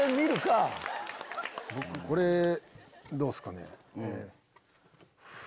これどうっすかね？